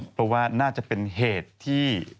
เพราะว่าน่าจะเป็นเหตุที่